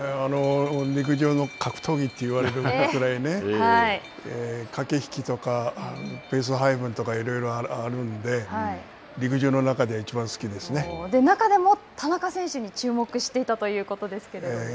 陸上の格闘技といわれるぐらいに、駆け引きとかペース配分とかいろいろあるんで、中でも田中選手に注目していたということですけれども。